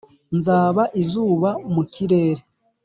nzaba izuba mu kirere